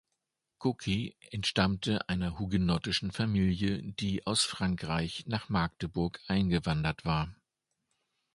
Coqui entstammte einer hugenottischen Familie, die aus Frankreich nach Magdeburg eingewandert war.